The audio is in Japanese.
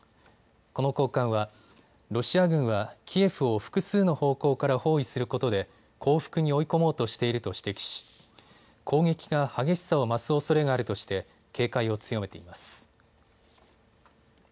この高官はロシア軍はキエフを複数の方向から包囲することで降伏に追い込もうとしていると指摘し、攻撃が激しさを増すおそれがあるとして警戒を強めています。